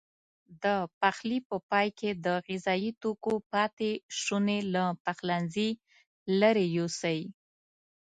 د پخلي په پای کې د غذايي توکو پاتې شونې له پخلنځي لیرې یوسئ.